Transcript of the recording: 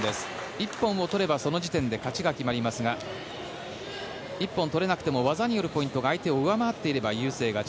１本を取ればその時点で勝ちが決まりますが１本取れなくても技によるポイントが相手を上回っていれば優勢勝ち。